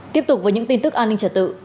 tiếp tục với những tin tức an ninh trật tự